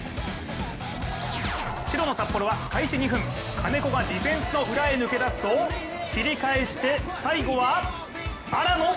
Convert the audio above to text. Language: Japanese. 白の札幌は、開始２分、金子がディフェンスの裏へ抜け出すと切り返して最後は荒野！